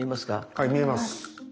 はい見えます。